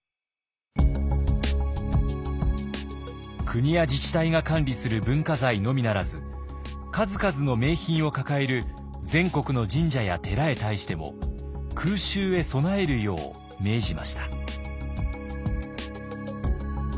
国や自治体が管理する文化財のみならず数々の名品を抱える全国の神社や寺へ対しても空襲へ備えるよう命じました。